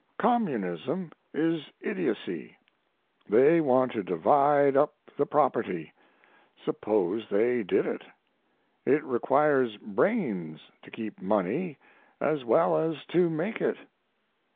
"Communism is idiocy. They want to divide up the property. Suppose they did it. It requires brains to keep money as well as to make it.